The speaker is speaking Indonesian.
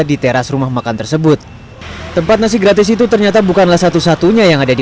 di teras rumah makan tersebut tempat nasi gratis itu ternyata bukanlah satu satunya yang ada di